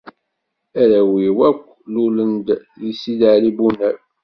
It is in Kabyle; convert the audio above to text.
Arraw-iw akk lulen-d deg Sidi Ɛli Bunab.